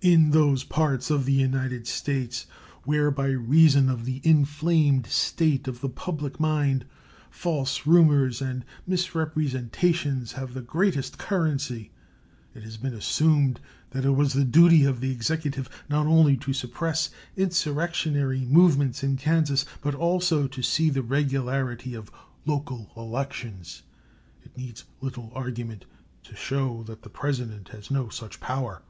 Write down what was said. In those parts of the United States where, by reason of the inflamed state of the public mind, false rumors and misrepresentations have the greatest currency it has been assumed that it was the duty of the Executive not only to suppress insurrectionary movements in Kansas, but also to see to the regularity of local elections. It needs little argument to show that the President has no such power.